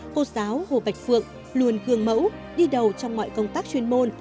cô giáo hồ bạch phượng luôn gương mẫu đi đầu trong mọi công tác chuyên môn